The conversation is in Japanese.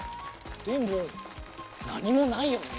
でもなにもないよね。